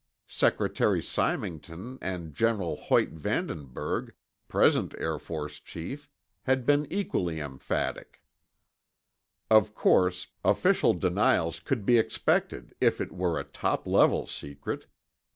Secretary Symington and General Hoyt Vandenberg, present Air Force chief, had been equally emphatic. Of course, official denials could be expected if it were a top level secret.